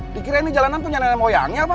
dikira ini jalanan penyelenaan moyangnya apa